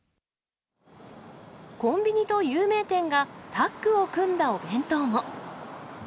コンビニと有名店がタッグを組んだお弁当も。